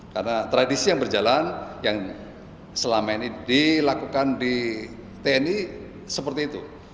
karena tradisi yang berjalan yang selama ini dilakukan di tni seperti itu